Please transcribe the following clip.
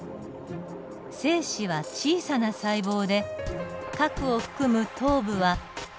精子は小さな細胞で核を含む頭部は５μｍ。